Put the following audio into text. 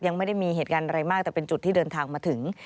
ยังไม่ได้มีเหตุการณ์อะไรมากแต่เป็นจุดที่เดินทางมาถึง